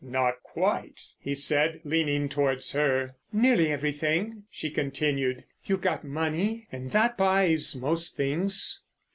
"Not quite," he said, leaning towards her. "Nearly everything," she continued. "You've got money, and that buys most things."